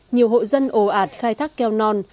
nhiều hội dân ồ ạt khai thác keo non